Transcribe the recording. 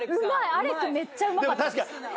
アレクめっちゃうまかった。